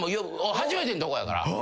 初めてのとこやから。